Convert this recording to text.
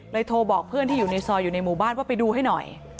โทรบอกเพื่อนที่อยู่ในซอยอยู่ในหมู่บ้านว่าไปดูให้หน่อย